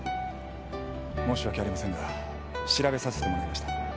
申しわけありませんが調べさせてもらいました。